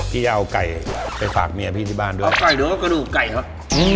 พี่จะเอาไก่ไปฝากเมียพี่ที่บ้านด้วยเอาไก่ด้วยก็กระดูกไก่เหรอ